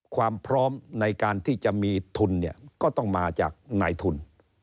ความพร้อมในการที่จะมีทุนเนี่ยก็ต้องมาจากนายทุน